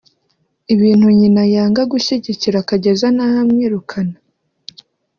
ibintu nyina yanga gushyigikira akageza n’aho amwirukana